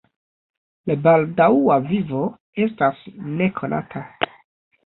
La baldaŭa vivo estas nekonata.